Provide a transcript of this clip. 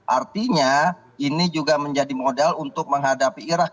artinya ini juga menjadi modal untuk menghadapi irak